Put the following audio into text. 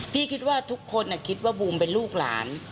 พี่คิดว่าทุกคนคิดว่าบูมเป็นลูกหลาน